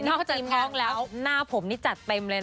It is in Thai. จากท้องแล้วหน้าผมนี่จัดเต็มเลยนะ